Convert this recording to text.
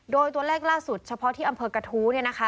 โดยตัวแรกล่าสุดเฉพาะที่อำเภอกระทู้